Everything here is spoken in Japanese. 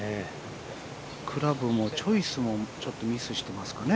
クラブもチョイスもちょっとミスしてますかね。